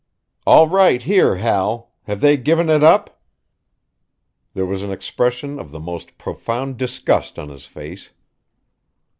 "All right here, Hal: have they given it up?" There was an expression of the most profound disgust on his face.